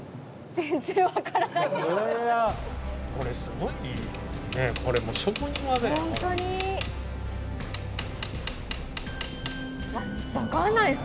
全然分からないです。